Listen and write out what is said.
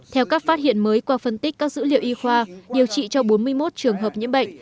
theo các phát hiện mới qua phân tích các dữ liệu y khoa điều trị cho bốn mươi một trường hợp nhiễm bệnh